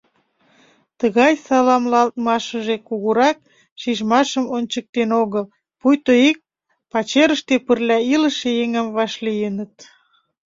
Тыгай саламлалтмашыже кугурак шижмашым ончыктен огыл, пуйто ик пачерыште пырля илыше еҥым вашлийыныт.